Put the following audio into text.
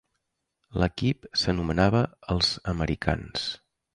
L'equip s'anomenava els "Americans".